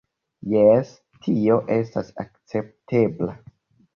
- Jes, tio estas akceptebla